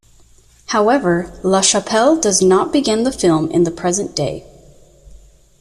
However, LaChapelle does not begin the film in the present day.